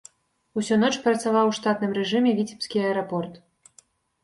Усю ноч працаваў у штатным рэжыме віцебскі аэрапорт.